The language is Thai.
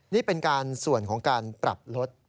นี่เป็นการส่วนของการปรับลด